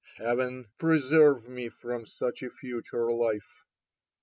Heaven preserve me from such a future life.